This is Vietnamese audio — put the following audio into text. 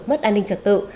mất an ninh trật tự